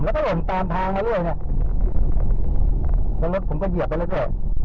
แล้วก็หล่นตามทางมาเรื่อยแล้วรถคุณก็เหยียบไปเลยค่ะ